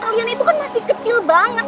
kalian itu kan masih kecil banget